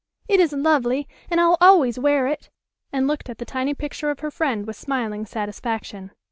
It is lovely, and I'll always wear it," and looked at the tiny picture of her friend with smiling satisfaction.